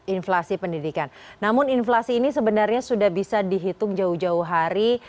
inflasi pendidikan namun inflasi ini sebenarnya sudah bisa dihitung jauh jauh hari